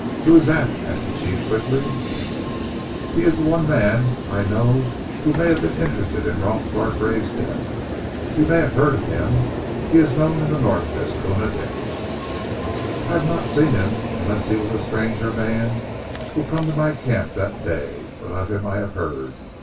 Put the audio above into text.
Who ees dat?" asked the chief quickly. "He is the one man I know who may have been interested in Rolf Gargrave's death. You may have heard of him? He is known in the North as Koona Dick!" "I hav' not him seen, unless he vas ze stranger mans who come to my camp dat day. But of him I hav' heard.